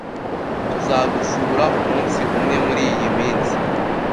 Tuzagusura umunsi umwe muriyi minsi.